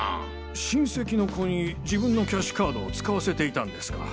親戚の子に自分のキャッシュカードを使わせていたんですか？